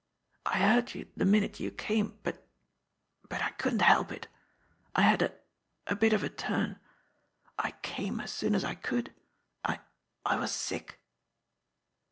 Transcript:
I heard you the minute you came, but but I couldn't help it. I had a a bit of a turn. I came as soon as I could. I I was sick."